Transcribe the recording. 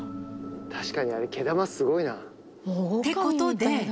確かにあれ、毛玉、すごいな。ってことで。